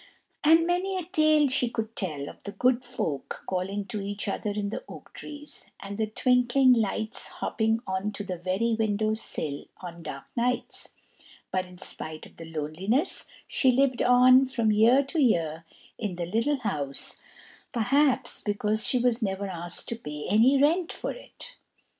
And many a tale she could tell of the "good folk" calling to each other in the oak trees, and the twinkling lights hopping on to the very window sill, on dark nights; but in spite of the loneliness, she lived on from year to year in the little house, perhaps because she was never asked to pay any rent for it.